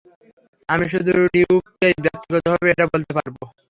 আমি শুধু ডিউককেই ব্যক্তিগতভাবে এটা বলতে পারব।